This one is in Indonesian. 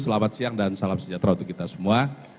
selamat siang dan salam sejahtera untuk kita semua